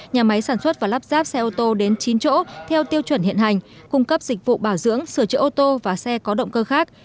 nhà máy sản xuất và lắp ráp xe ô tô đến chín chỗ theo tiêu chuẩn hiện hành cung cấp dịch vụ bảo dưỡng sửa chữa ô tô và xe có động cơ khác